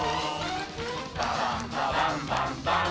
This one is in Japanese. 「ババンババンバンバン」